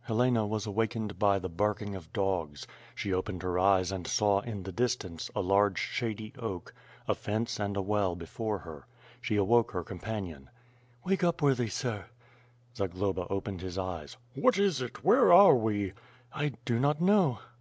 Helena was awakened by the barking of dogs; she opened her eyes and saw, in the distance, a large shady oak; a fence and a well before her. She awoke her companion. *'Wake up, worthy sir." Zagloba opened his eyes. "What is it? Where are we?" "I do not know."